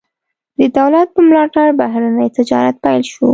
د دولت په ملاتړ بهرنی تجارت پیل شو.